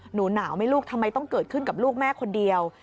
หนูหนาวไหมลูกทำไมต้องเกิดขึ้นกับลูกแม่คนเดียว